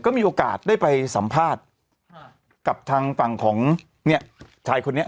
ก็มีโอกาสได้ไปสัมภาษณ์กับทางฝั่งของเนี่ยชายคนนี้